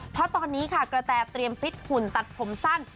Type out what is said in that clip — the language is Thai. เพราะตอนนี้ค่ะกระแตเตรียมฟิตหุ่นตัดผมสั้น